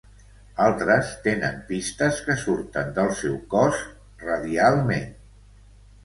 Altres tenen pistes que surten del seu cos "radialment".